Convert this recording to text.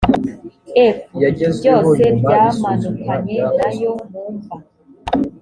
f byose byamanukanye na yo mu mva